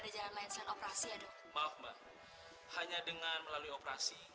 ada jalan lain selain operasi ya dok maaf ma hanya dengan melalui operasi